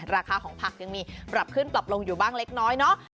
ราคาของผักยังมีปรับขึ้นปรับลงอยู่บ้างเล็กน้อยเนาะ